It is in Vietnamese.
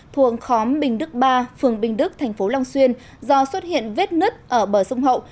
thuộc khóm bình đức ba phường bình đức thành phố long xuyên do xuất hiện vết nứt ở bờ sông hậu